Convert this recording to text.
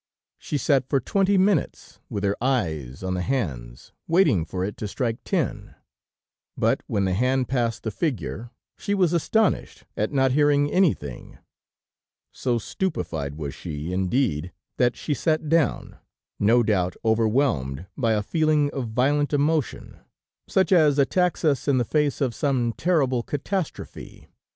She sat for twenty minutes, with her eyes on the hands, waiting for it to strike ten, but when the hand passed the figure, she was astonished at not hearing anything; so stupefied was she, indeed, that she sat down, no doubt overwhelmed by a feeling of violent emotion, such as attacks us in the face of some terrible catastrophe.